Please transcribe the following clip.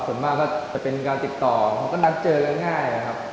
ส่วนมากก็จะเป็นการติดต่อเขาก็นัดเจอกันง่ายนะครับ